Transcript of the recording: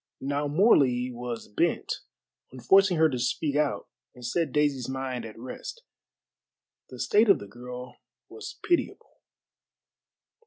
Now Morley was bent on forcing her to speak out and set Daisy's mind at rest. The state of the girl was pitiable.